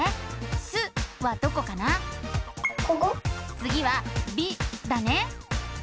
つぎは「び」だね。